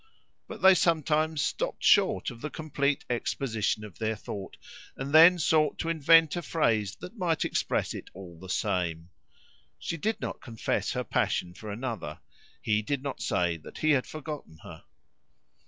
But they sometimes stopped short of the complete exposition of their thought, and then sought to invent a phrase that might express it all the same. She did not confess her passion for another; he did not say that he had forgotten her.